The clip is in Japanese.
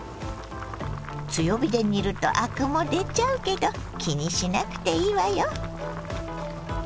強火で煮るとアクも出ちゃうけど気にしなくていいわよ。